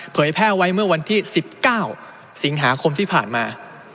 แพร่ไว้เมื่อวันที่๑๙สิงหาคมที่ผ่านมา